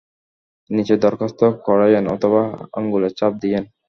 নিচে দরখাস্ত করায়েন, অথবা আঙুলের ছাপ দিয়েন।